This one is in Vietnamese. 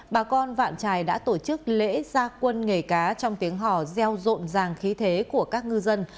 bà con vạn trài đã tổ chức lễ gia quân nghề cá trong tiếng hò reo rộn ràng khí thế của các ngư dân